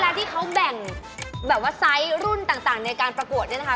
ที่เขาแบ่งแบบว่าไซส์รุ่นต่างในการประกวดเนี่ยนะคะ